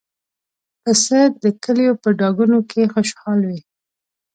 پسه د کلیو په ډاګونو کې خوشحال وي.